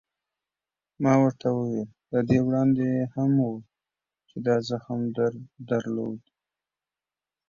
ما ورته وویل: له دې وړاندې هم و، چې دا زخم در درلود؟